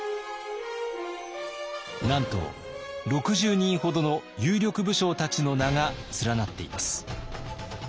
なんと６０人ほどの有力武将たちの名が連なっています。